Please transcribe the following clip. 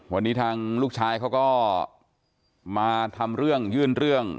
วันนี้ทางลูกชายเขาก็มาทำเรื่องยื่นเรื่อง